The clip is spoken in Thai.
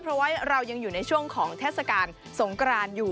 เพราะว่าเรายังอยู่ในช่วงของเทศกาลสงกรานอยู่